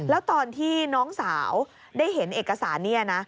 แล้วตอนที่น้องสาวได้เห็นเอกสารนี้นะ